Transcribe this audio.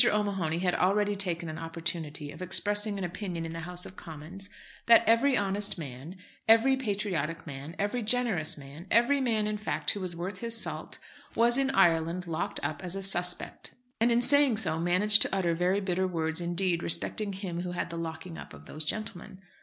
O'Mahony had already taken an opportunity of expressing an opinion in the House of Commons that every honest man, every patriotic man, every generous man, every man in fact who was worth his salt, was in Ireland locked up as a "suspect," and in saying so managed to utter very bitter words indeed respecting him who had the locking up of these gentlemen.